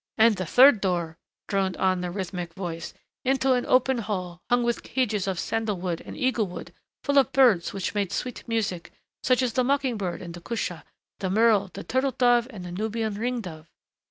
"And the third door," droned on the rhythmic voice, "into an open hall, hung with cages of sandal wood and eagle wood; full of birds which made sweet music, such as the mocking bird, and the cusha, the merle, the turtle dove and the Nubian ring dove."